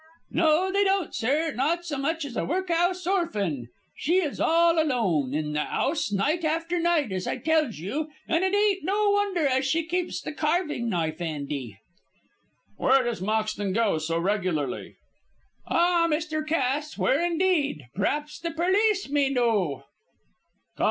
"No, they don't, sir, not as much as a work'us orfan. She is all alone in the 'ouse night after night, as I tells you, and it ain't no wonder as she keeps the carving knife 'andy." "Where does Moxton go so regularly?" "Ah, Mr. Cass, where indeed? P'r'aps the perlice may know."